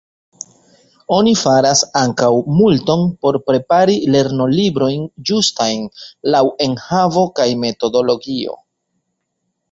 Oni faras ankaŭ multon por prepari lernolibrojn ĝustajn laŭ enhavo kaj metodologio.